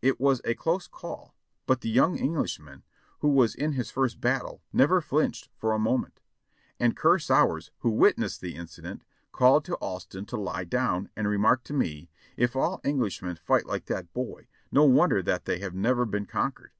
It was a close call, but the young Englishman, who was in his first battle, never flinched for a moment ; and Ker Sowers, who witnessed the incident, called to Alston to lie down, and remarked to me : ''If all Englishmen fight like that boy, no wonder that they have never been conquered."